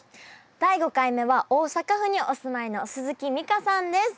第５回目は大阪府にお住まいの鈴木美香さんです。